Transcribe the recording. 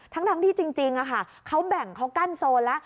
ทั้งที่จริงเขาแบ่งเขากั้นโซนแล้ว